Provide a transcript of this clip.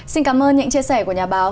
xin cảm ơn những chia sẻ của nhà báo